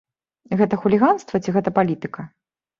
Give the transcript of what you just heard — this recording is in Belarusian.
Гэта хуліганства ці гэта палітыка?